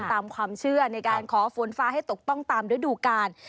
ตามความเชื่อในการขอฝนฟ้าให้ตกต้องตามฤดูกาล